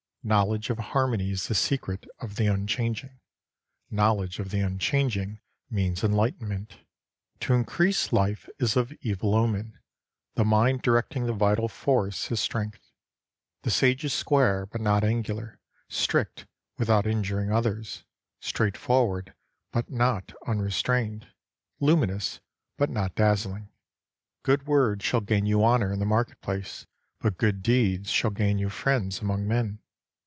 Knowledge of harmony is the secret of the Un changing. Knowledge of the Unchanging means enlightenment. To increase life is of evil omen. The mind directing the vital force is strength. The Sage is square but not angular, strict with out injuring others, straightforward but not un restrained, luminous but not dazzling. Good words shall gain you honour in the market place, but good deeds shall gain you friends among men.